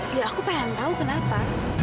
ya aku pengen tahu kenapa